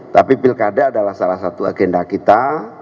tapi pilkada adalah salah satu agenda kita